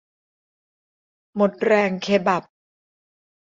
หมดแรงเคบับ